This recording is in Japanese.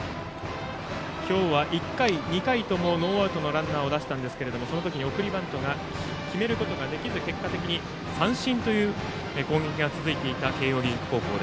今日は１回、２回ともノーアウトのランナーを出しましたが送りバントを決めることができず結果的に三振という攻撃が続いていた慶応義塾高校。